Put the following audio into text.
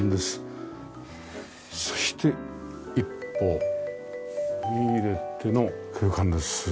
そして一歩踏み入れての空間です。